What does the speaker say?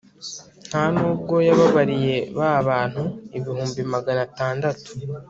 nta n'ubwo yababariye ba bantu ibihumbi magana atandatu